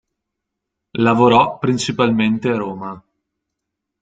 Lavorò principalmente a Roma.